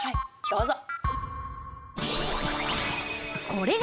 どうぞ。